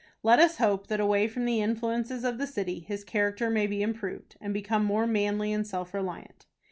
Let us hope that, away from the influences of the city, his character may be improved, and become more manly and self reliant.